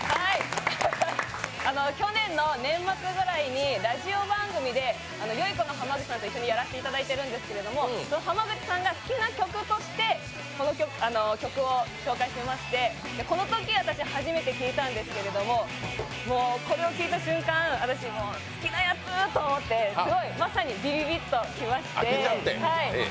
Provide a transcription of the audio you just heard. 去年の年末ぐらいにラジオ番組でよゐこの濱口さんと一緒にやらせていただいてるんですけどその濱口さんが好きな曲として紹介していまして、このとき私、初めて聴いたんですけども、これを聴いた瞬間、私好きなやつーと思ってまさにビビビッと来まして。